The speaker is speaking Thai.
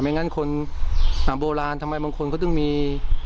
งั้นคนโบราณทำไมบางคนก็ต้องมี